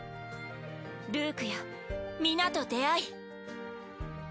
ルークや皆と出会い。